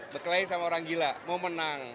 beklai sama orang gila mau menang